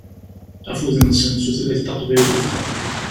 Afud-nsen d tutlayt taqbaylit.